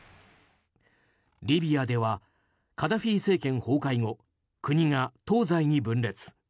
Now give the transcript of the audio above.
リビアではカダフィ政権崩壊後国が東西に分裂。